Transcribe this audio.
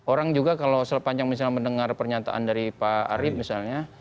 orang juga kalau sepanjang misalnya mendengar pernyataan dari pak arief misalnya